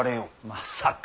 まさか。